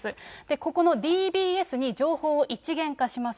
ここのＤＢＳに情報を一元化します。